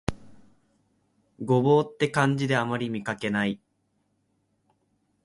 牛蒡って漢字であまり見かけない